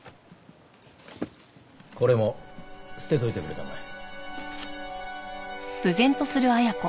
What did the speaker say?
これも捨てといてくれたまえ。